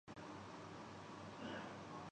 صحت و عافیت سے زندہ رہوں